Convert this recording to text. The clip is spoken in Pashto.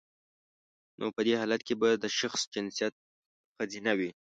نو په دی حالت کې به د شخص جنسیت خځینه وي